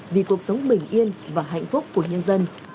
vì cuộc sống bình yên và hạnh phúc của nhân dân